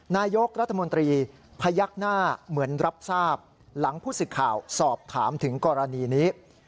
นายกรัฐมนตรีพยักหน้าเหมือนรับทราบหลังผู้สึกข่าวสอบถามถึงกรณีนี้